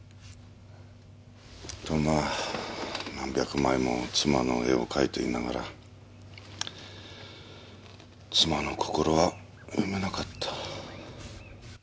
まぁ何百枚も妻の絵を描いていながら妻の心は読めなかった。